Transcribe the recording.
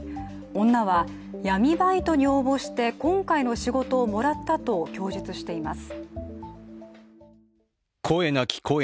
女は闇バイトに応募して今回の仕事をもらったと供述しています。